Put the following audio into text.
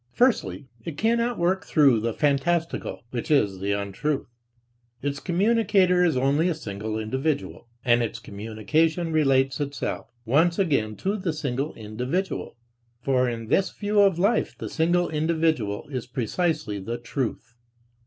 Firstly, it cannot work through the fantastical, which is the untruth; its communicator is only a single individual. And its communication relates itself once again to the single individual; for in this view of life the single individual is precisely the truth.